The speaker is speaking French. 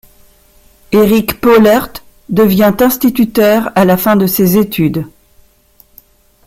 Éric Poelaert devient instituteur à la fin de ses études.